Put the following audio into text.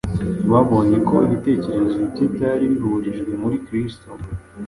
Babonye ko ibitekerezo bye byari bihurijwe muri Kristo